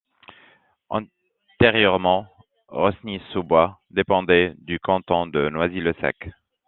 Antérieurement, Rosny-sous-Bois dépendait du canton de Noisy-le-Sec.